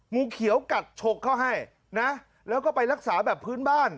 งูเขียวกัดฉกเข้าให้นะแล้วก็ไปรักษาแบบพื้นบ้าน